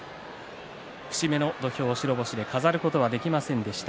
節目の土俵を白星で飾ることはできませんでした。